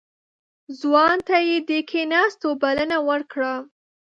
ځوان ته يې د کېناستو بلنه ورکړه.